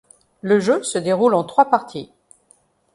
Le jeu se déroule en trois parties.